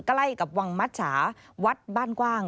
ใกล้กับวังมัชชาวัดบ้านกว้าง